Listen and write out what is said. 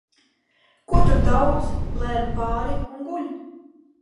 Ko tur daudz – plēve pāri un guļ.